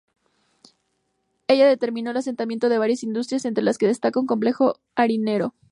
Ello determinó el asentamiento de varias industrias, entre las que destaca un complejo harinero.